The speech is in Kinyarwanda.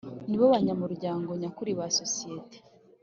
nibo banyamuryango nyakuri ba sosiyete